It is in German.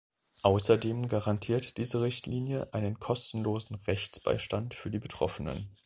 Außerdem garantiert diese Richtlinie einen kostenlosen Rechtsbeistand für die Betroffenen.